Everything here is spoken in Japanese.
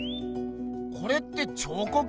これって彫刻？